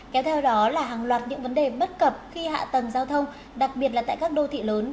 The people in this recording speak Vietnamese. kéo theo đó là hàng loạt những vấn đề bất cập khi hạ tầng giao thông đặc biệt là tại các đô thị lớn